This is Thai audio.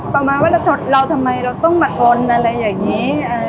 ประมาณว่าเราทำไมเราต้องมาทนอะไรอย่างนี้